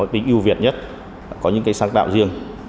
tiêu việt nhất là có những cây sáng tạo riêng